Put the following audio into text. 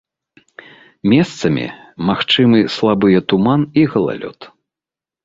Месцамі магчымы слабыя туман і галалёд.